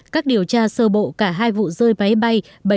các điều tra sơ bộ cả hai vụ rơi máy bay